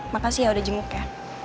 makasih ya udah jenguk ya